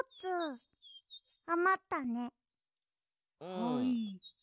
はい。